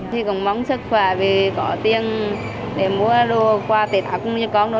chỉ còn mong sức khỏe vì có tiền để mua đồ quà tết ác cũng như con đó